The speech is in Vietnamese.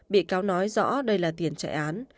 bị cáo nói rõ đây là tiền chạy án